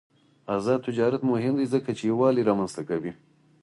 آزاد تجارت مهم دی ځکه چې یووالي رامنځته کوي.